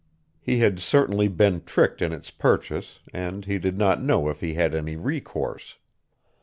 He had certainly been tricked in its purchase and he did not know if he had any recourse.